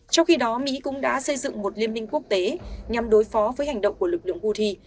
trong khi đó mỹ cũng đã xây dựng một liên minh quốc tế nhằm đối phó với hành động của lực lượng houthi